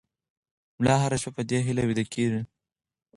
ملا هره شپه په دې هیله ویده کېږي.